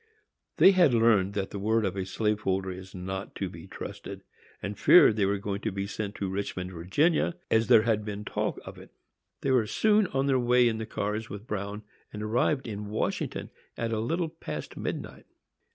They had learned that the word of a slave holder is not to be trusted, and feared they were going to be sent to Richmond, Virginia, as there had been talk of it. They were soon on their way in the cars with Bruin, and arrived at Washington at a little past midnight.